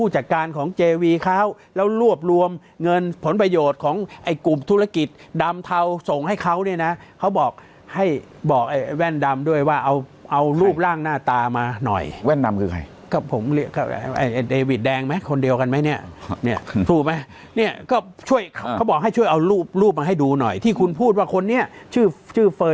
จากการของเจวีเขาแล้วรวบรวมเงินผลประโยชน์ของไอ้กลุ่มธุรกิจดำเทาส่งให้เขาเนี่ยนะเขาบอกให้บอกไอ้แว่นดำด้วยว่าเอาเอารูปร่างหน้าตามาหน่อยแว่นดำคือใครก็ผมไอ้เดวิดแดงไหมคนเดียวกันไหมเนี่ยเนี่ยถูกไหมเนี่ยก็ช่วยเขาบอกให้ช่วยเอารูปรูปมาให้ดูหน่อยที่คุณพูดว่าคนนี้ชื่อชื่อเฟย์